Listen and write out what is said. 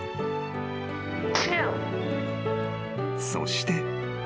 ［そして］